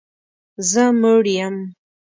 زه موړ یم